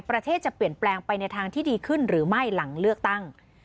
ประเทศจะเปลี่ยนแปลงไปในทางที่ดีขึ้นหรือไม่หลังเลือกตั้ง